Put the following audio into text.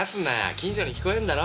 近所に聞こえんだろ。